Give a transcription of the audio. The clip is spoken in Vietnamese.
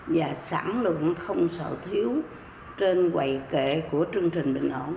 và sẵn lượng không sợ thiếu trên quầy kệ của chương trình bình ổn